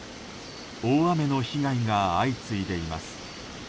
大雨の被害が相次いでいます。